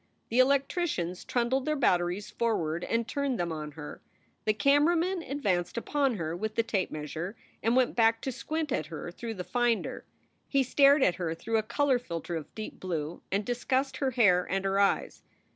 The electricians trundled their batteries forward and turned them on her; the camera man advanced upon her with the tape measure and went back to squint at her through the finder. He stared at her through a color filter of deep blue and discussed her hair and her eyes.